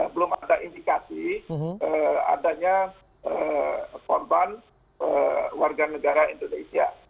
tidak ada indikasi adanya korban warganegara indonesia